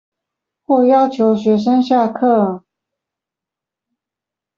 或要求學生下課